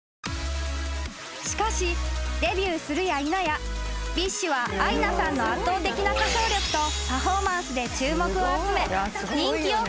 ［しかしデビューするやいなやＢｉＳＨはアイナさんの圧倒的な歌唱力とパフォーマンスで注目を集め］